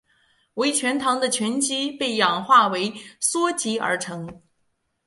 为醛糖的醛基被氧化为羧基而成。